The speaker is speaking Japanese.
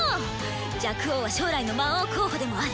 若王は将来の魔王候補でもある。